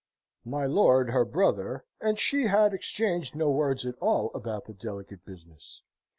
My lord her brother and she had exchanged no words at all about the delicate business.